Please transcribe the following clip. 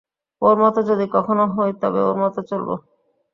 ওঁর মতো যদি কখনো হই তবে ওঁর মতো চলব।